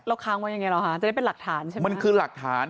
ค้างไว้ยังไงหรอคะจะได้เป็นหลักฐานใช่ไหมมันคือหลักฐาน